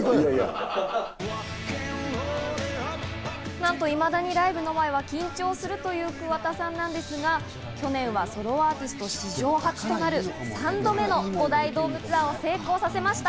なんと、いまだにライブの前は緊張するという桑田さんなんですが、去年はソロアーティスト史上初となる３度目の五大ドームツアーを成功させました。